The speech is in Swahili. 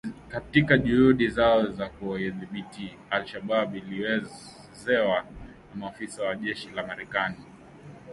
katika juhudi zao za kuwadhibiti al Shabaab ilielezewa na maafisa wa jeshi la Marekani